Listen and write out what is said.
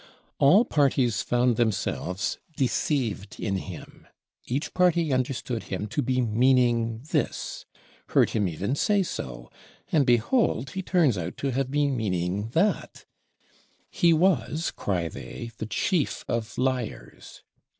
All parties found themselves deceived in him; each party understood him to be meaning this, heard him even say so, and behold he turns out to have been meaning that! He was, cry they, the chief of liars.